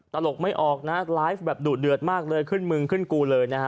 ตลกไม่ออกนะไลฟ์แบบดุเดือดมากเลยขึ้นมึงขึ้นกูเลยนะฮะ